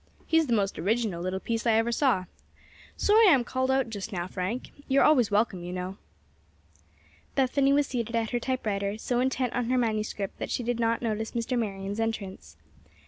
"He's the most original little piece I ever saw. Sorry I'm called out just now, Frank. You're always welcome, you know." Bethany was seated at her typewriter, so intent on her manuscript that she did not notice Mr. Marion's entrance.